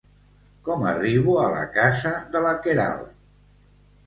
Com arribo a la casa de la Queralt?